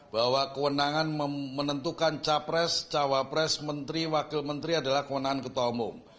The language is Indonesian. bahwa kewenangan menentukan capres cawapres menteri wakil menteri adalah kewenangan ketua umum